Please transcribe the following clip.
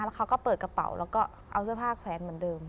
แล้วเขาก็เปิดกระเป๋าแล้วก็เอาเสื้อผ้าแขวนเหมือนเดิม